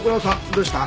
どうした？